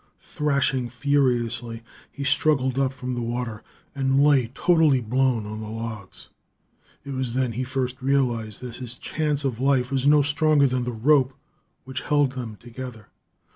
Thrashing furiously, he struggled up from the water, and lay, totally blown, on the logs. It was then he first realized that his chance of life was no stronger than the rope which held them together.